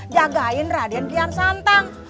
jagain raden kiasan tang